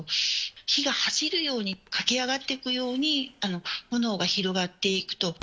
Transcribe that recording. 火が走るように駆け上がっていくように、炎が広がっていくと。